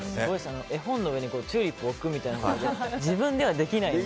絵本の上にチューリップ置くみたいなのが自分ではできないので。